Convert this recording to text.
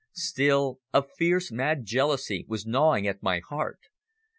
Still a fierce, mad jealousy was gnawing at my heart.